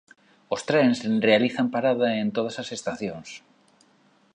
Os trens realizan parada en todas as estacións.